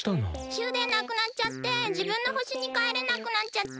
終電なくなっちゃってじぶんのほしにかえれなくなっちゃって。